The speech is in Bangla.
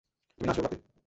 তুমি না আসলেও পারতে।